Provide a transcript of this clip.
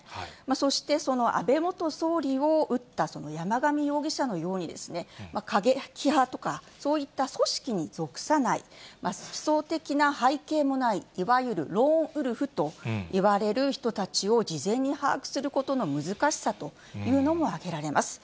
そして安倍元総理を撃った山上容疑者のように、過激派とか、そういった組織に属さない、思想的な背景もない、いわゆるローンウルフといわれる人たちを事前に把握することの難しさというのも挙げられます。